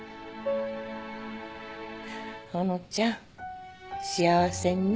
ほのちゃん幸せにね。